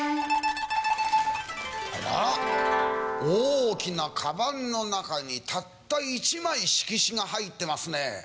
大きなかばんの中にたった１枚色紙が入ってますね。